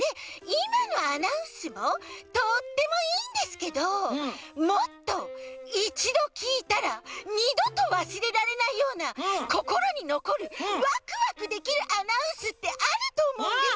いまのアナウンスもとってもいいんですけどもっといちどきいたらにどとわすれられないようなこころにのこるワクワクできるアナウンスってあるとおもうんです！